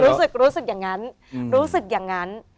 รู้สึกรู้สึกอย่างนั้นรู้สึกอย่างนั้น